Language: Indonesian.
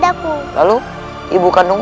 jatuh ke jurang